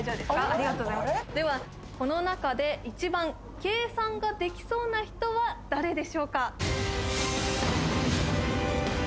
ありがとうございますではこの中で１番計算ができそうな人は誰でしょうか？